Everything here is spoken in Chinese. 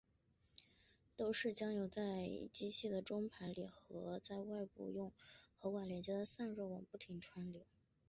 都是将油在机器的中盘里和在外部用喉管连接的散热网不停地穿流冷却。